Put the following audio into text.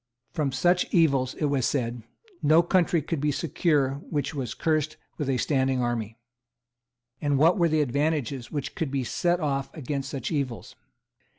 From such evils, it was said, no country could be secure which was cursed with a standing army. And what were the advantages which could be set off against such evils?